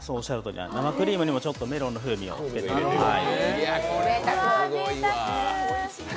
生クリームにもメロンの風味をつけています。